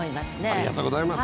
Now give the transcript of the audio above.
ありがとうございます。